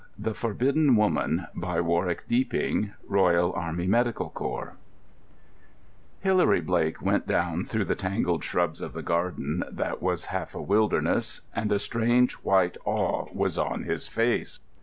The Forbidden Woman By Warwick Deeping Royal Army Medical Corps Hilary Blake went down through the tangled shrubs of the garden that was half a wilderness, and a strange, white awe was on his face.